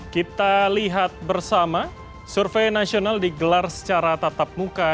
kita lihat bersama survei nasional digelar secara tatap muka